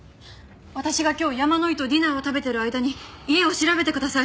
私が今日山野井とディナーを食べている間に家を調べてください！